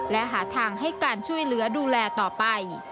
และหาทางให้การช่วยเหลือดูแลต่อไป